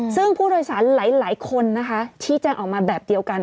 ซึ่งผู้โดยสารหลายคนนะคะชี้แจ้งออกมาแบบเดียวกัน